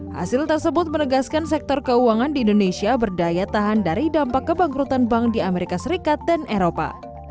hasil tersebut menegaskan sektor keuangan di indonesia berdaya tahan dari dampak kebangkrutan bank di amerika serikat dan eropa